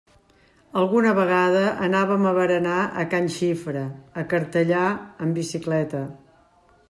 Alguna vegada anàvem a berenar a can Xifra, a Cartellà, en bicicleta.